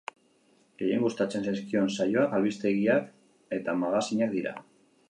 Gehien gustatzen zaizkion saioak albistegiak eta magazinak dira.